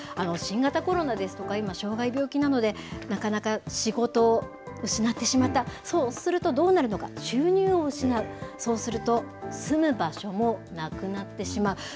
新型コロナですとか、今、障害、病気などでなかなか仕事を失ってしまった、そうするとどうなるのか、収入を失う、そうすると住む場所もなくなってしまう。